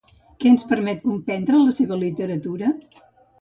Què ens permet comprendre la seva literatura?